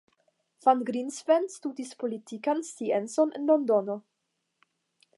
Van Grinsven studis politikan sciencon en Londono.